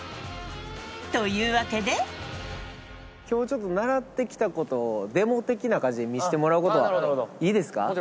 今日ちょっと習ってきたことをデモ的な感じで見せてもらうことはいいですか？